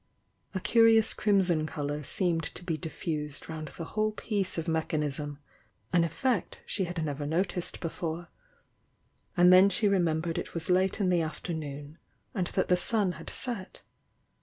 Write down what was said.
A curious crimson colour seemed to be diffused round the whole piece of mechanism, — an effect she had never noticetl before, and then she remembered it was late in the afternoon and that the sun had set.